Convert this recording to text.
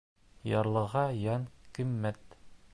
Ярлыға йән ҡиммәт.